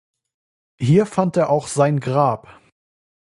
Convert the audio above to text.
Hier fand er auch sein Grab.